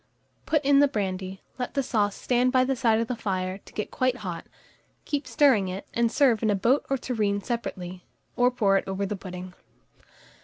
Put in the brandy; let the sauce stand by the side of the fire, to get quite hot; keep stirring it, and serve in a boat or tureen separately, or pour it over the pudding.